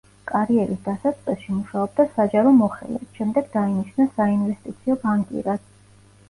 კარიერის დასაწყისში, მუშაობდა საჯარო მოხელედ, შემდეგ დაინიშნა საინვესტიციო ბანკირად.